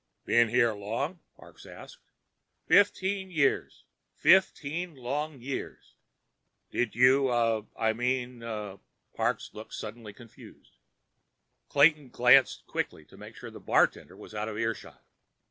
"Been here long?" Parks asked. "Fifteen years. Fifteen long, long years." "Did you—uh—I mean—" Parks looked suddenly confused. Clayton glanced quickly to make sure the bartender was out of earshot.